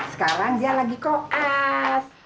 sekarang dia lagi koan